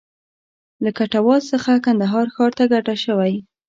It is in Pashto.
له کټواز څخه کندهار ښار ته کډه شوی و.